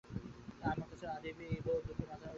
কিন্তু আমার কাছে আসিবি তো এই বন্দুকে তোর মাথা উড়াইয়া দিব।